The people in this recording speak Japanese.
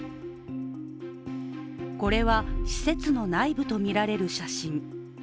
これは施設の内部とみられる写真。